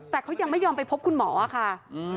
แต่เขายังไม่ยอมไปพบคุณหมอค่ะ